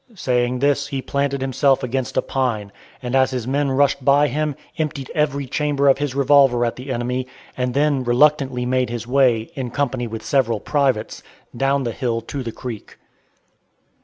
Saying this, he planted himself against a pine, and, as his men rushed by him, emptied every chamber of his revolver at the enemy, and then reluctantly made his way, in company with several privates, down the hill to the creek.